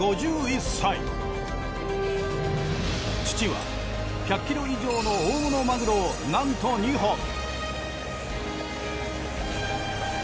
父は１００ｋｇ以上の大物マグロをなんと２本。